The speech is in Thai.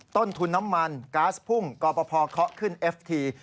ต้นทุนน้ำมันก๊าซพุ่งกรปภเคาะขึ้นเอฟที